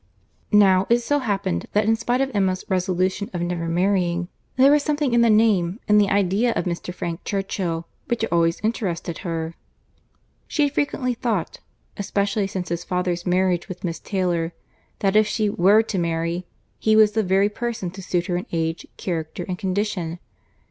Now, it so happened that in spite of Emma's resolution of never marrying, there was something in the name, in the idea of Mr. Frank Churchill, which always interested her. She had frequently thought—especially since his father's marriage with Miss Taylor—that if she were to marry, he was the very person to suit her in age, character and condition.